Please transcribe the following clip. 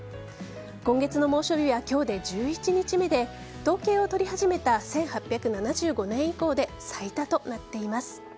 今月の猛暑日は今日で１１日目で統計を取り始めた１８７５年以降で最多となっています。